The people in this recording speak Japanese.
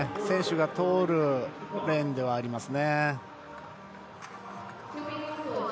選手が通るレーンではありますね。